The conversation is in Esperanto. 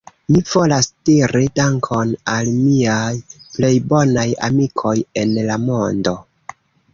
Mi volas diri Dankon al miaj plej bonaj amikoj en la mondo